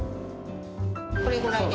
これぐらいで？